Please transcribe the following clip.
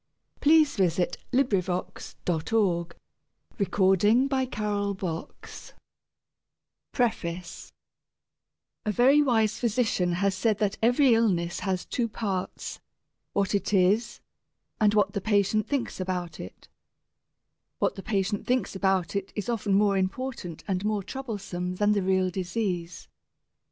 HALL ALL RIGHTS RESERVED Published May 1915 PREFACE A very wise physician has said that "every illness has two parts what it is, and what the patient thinks about it." What the patient thinks about it is often more important and more troublesome than the real disease.